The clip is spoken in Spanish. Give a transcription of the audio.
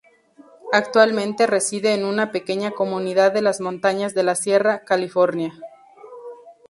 Actualmente, reside en una pequeña comunidad de las montañas de la Sierra, California.